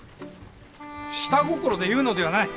下心で言うのではない。